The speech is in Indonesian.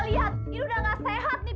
liat sudah nggak sehat nih pak lumber ase tiga